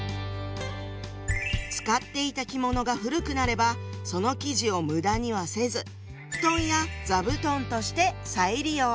使っていた着物が古くなればその生地を無駄にはせず布団や座布団として再利用。